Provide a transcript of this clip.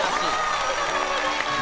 ありがとうございます！